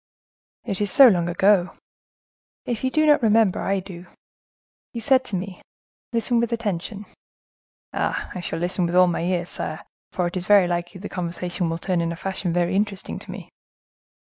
"It is so long ago." "If you do not remember, I do. You said to me,—listen with attention." "Ah! I shall listen with all my ears, sire; for it is very likely the conversation will turn in a fashion very interesting to me."